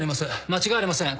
間違いありません。